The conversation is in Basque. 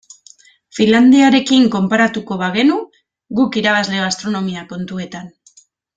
Finlandiarekin konparatuko bagenu guk irabazle gastronomia kontuetan.